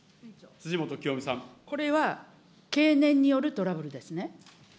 これは、経年によるトラブルですね。